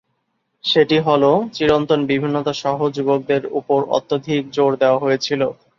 সেটি হল "চিরন্তন বিভিন্নতা সহ যুবকদের উপর অত্যধিক জোর দেওয়া হয়েছিল"।